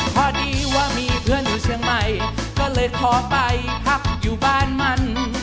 พอดีว่ามีเพื่อนอยู่เชียงใหม่ก็เลยขอไปพักอยู่บ้านมัน